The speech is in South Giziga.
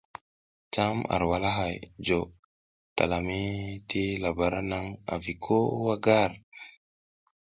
Cam ar walahay jo talami ti labara naŋ avi ko wa gar.